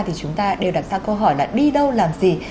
thì chúng ta đều đặt ra câu hỏi là đi đâu làm gì